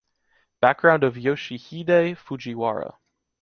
Background of Yoshihide Fujiwara.